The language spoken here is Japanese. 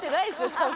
多分。